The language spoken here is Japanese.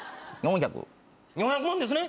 ４００万ですね？